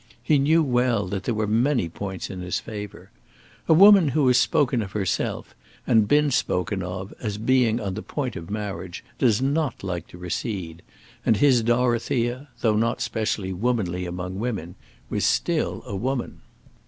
He knew well that there were many points in his favour. A woman who has spoken of herself, and been spoken of, as being on the point of marriage, does not like to recede; and his Dorothea, though not specially womanly among women, was still a woman.